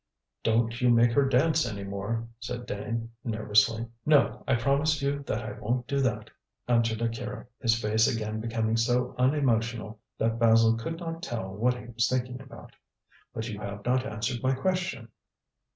"Don't you make her dance any more," said Dane, nervously. "No, I promise you that I won't do that," answered Akira, his face again becoming so unemotional that Basil could not tell what he was thinking about; "but you have not answered my question."